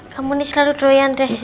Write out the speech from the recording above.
kamu ini selalu jual yang deh